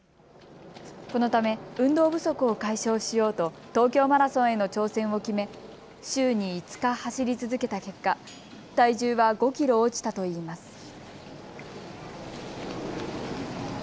このため運動不足を解消しようと東京マラソンへの挑戦を決め週に５日、走り続けた結果体重は５キロ落ちたといいます。